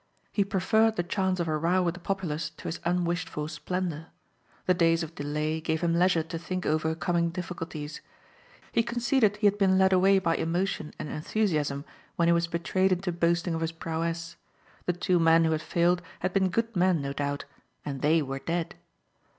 He preferred the chance of a row with the populace to his unwished for splendor. The days of delay gave him leisure to think over coming difficulties. He conceded he had been led away by emotion and enthusiasm when he was betrayed into boasting of his prowess. The two men who had failed had been good men no doubt and they were dead.